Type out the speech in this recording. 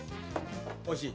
おいしい？